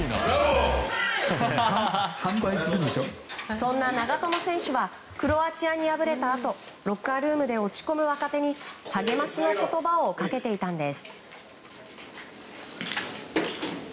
そんな長友選手はクロアチアに敗れたあとロッカールームで落ち込む若手に励ましの言葉をかけていたんです。